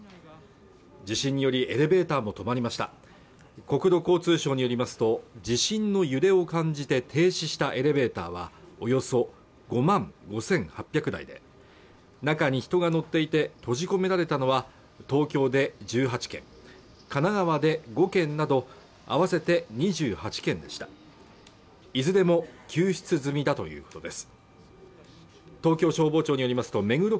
地震によりエレベーターも止まりました国土交通省によりますと地震の揺れを感じて停止したエレベーターはおよそ５万５８００台で中に人が乗っていて閉じ込められたのは東京で１８件神奈川で５件など合わせて２８件でしたいずれも救出済みだということです